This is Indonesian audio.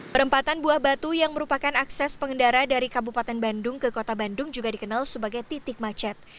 perempatan buah batu yang merupakan akses pengendara dari kabupaten bandung ke kota bandung juga dikenal sebagai titik macet